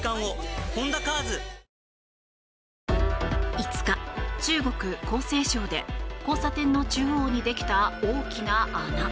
５日、中国・江西省で交差点の中央にできた大きな穴。